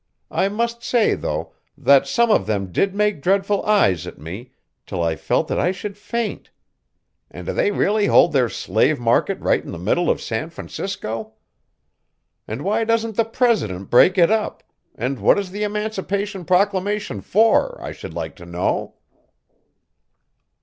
I must say, though, that some of them did make dreadful eyes at me, till I felt that I should faint. And do they really hold their slave market right in the middle of San Francisco? And why doesn't the president break it up, and what is the Emancipation Proclamation for, I should like to know?"